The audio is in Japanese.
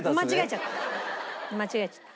間違えちゃった。